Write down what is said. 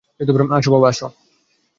আসো, বাবা।